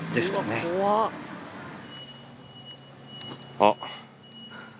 あっ。